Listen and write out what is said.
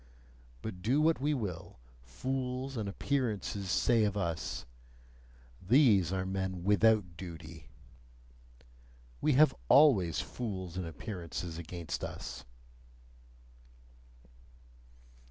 But do what we will, fools and appearances say of us: "These are men WITHOUT duty," we have always fools and appearances against us!